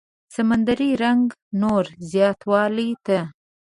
سمندري رنګت نور زياتولو ته